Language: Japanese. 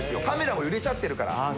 カメラも揺れちゃってるから。